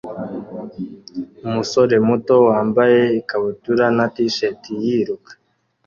Umusore muto wambaye ikabutura na t-shirt yiruka